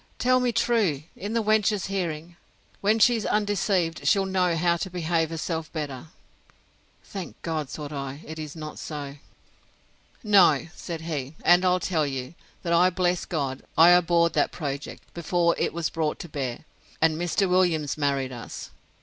Tell me truly, in the wench's hearing. When she's undeceived, she'll know how to behave herself better! Thank God, thought I, it is not so. No, said he; and I'll tell you, that I bless God, I abhorred that project, before it was brought to bear: and Mr. Williams married us.